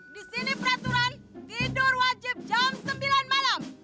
di sini peraturan tidur wajib jam sembilan malam